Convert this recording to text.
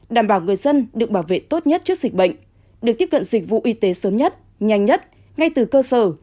đảm bảo người dân được bảo vệ tốt nhất trước dịch bệnh được tiếp cận dịch vụ y tế sớm nhất nhanh nhất ngay từ cơ sở